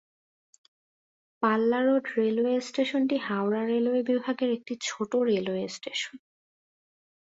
পাল্লা road railway স্টেশনটি Howrah railway বিভাগের একটি ছোট রেলওয়ে স্টেশন।